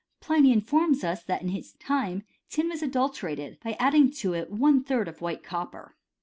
Pliny informs us, that in his time tin was adulterated by adding to it about one third of white copper.